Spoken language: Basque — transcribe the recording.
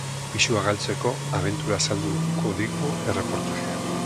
Pisua galtzeko abentura azalduko digu erreportajean.